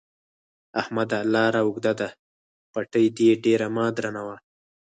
احمده! لاره اوږده ده؛ پېټی دې ډېر مه درنوه.